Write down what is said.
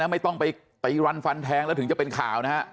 ไม่ต้องไปตีรันฟันแทงแล้วถึงจะเป็นข่าวนะฮะ